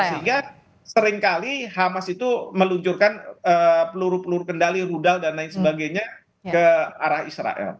sehingga seringkali hamas itu meluncurkan peluru peluru kendali rudal dan lain sebagainya ke arah israel